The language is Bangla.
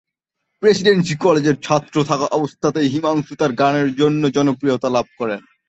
প্রেসিডেন্সি কলেজে ছাত্র থাকা অবস্থাতেই হিমাংশু তার গানের জন্য জনপ্রিয়তা লাভ করেন।